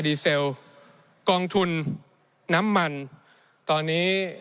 ในช่วงที่สุดในรอบ๑๖ปี